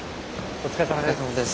お疲れさまです。